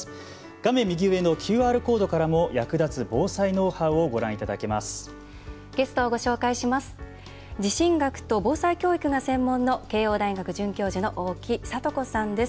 画面右上のＱＲコードからも役立つ防災ノウハウをご覧いただけます。